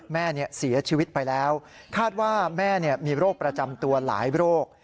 แม่เสียชีวิตไปแล้วคาดว่าแม่มีโรคประจำตัวหลายโรค